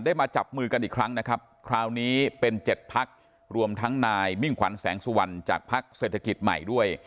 มาจับมือกันอีกครั้งนะครับคราวนี้เป็น๗พักรวมทั้งนายมิ่งขวัญแสงสุวรรณจากพักเศรษฐกิจใหม่ด้วย